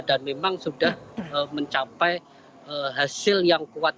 memang sudah mencapai hasil yang kuat